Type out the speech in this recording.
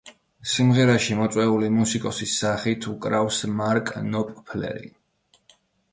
სიმღერაში მოწვეული მუსიკოსის სახით უკრავს მარკ ნოპფლერი.